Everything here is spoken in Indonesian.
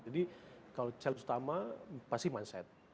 jadi kalau challenge utama pasti mindset